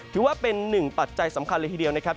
ถือว่าเป็นหนึ่งปัจจัยสำคัญเลยทีเดียวนะครับ